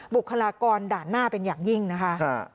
บุคลากรด่านหน้าเป็นอย่างยิ่งนะคะ